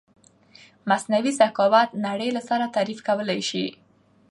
مثنوعې زکاوت نړی له سره تعریف کولای شې